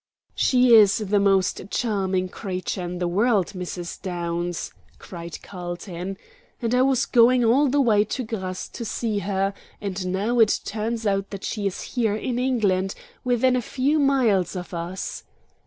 "She is the most charming creature in the world, Mrs. Downs," cried Carlton, "and I was going all the way to Grasse to see her, and now it turns out that she is here in England, within a few miles of us."